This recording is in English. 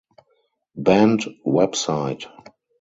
Band website